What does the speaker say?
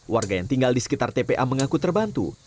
warga yang tinggal di sekitar tpa mengaku terbantu